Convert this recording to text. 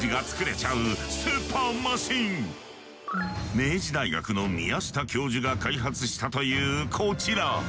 明治大学の宮下教授が開発したというこちら。